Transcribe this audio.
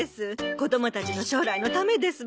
子どもたちの将来のためですもの。